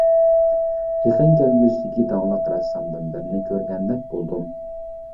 يېقىن كەلگۈسىدىكى داڭلىق رەسسامدىن بىرنى كۆرگەندەك بولدۇم.